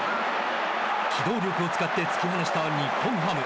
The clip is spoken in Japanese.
機動力を使って突き放した日本ハム。